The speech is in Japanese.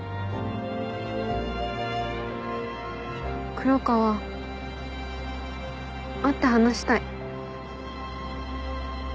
黒川会って話したい。